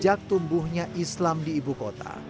sejak tumbuhnya islam di ibu kota